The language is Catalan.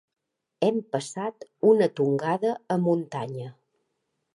Hem passat una tongada a muntanya.